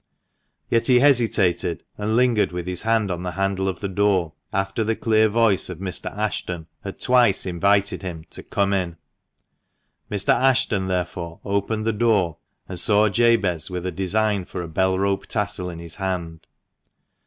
Yet he hesitated, and lingered with his hand on the handle of the door, after the clear voice of Mr. Ashton had twice invited him to " come in." Mr. Ashton therefore opened the door, and saw Jabez with a design for a bell rope tassel in his hand.